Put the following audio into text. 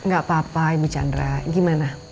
gak apa apa ibu chandra gimana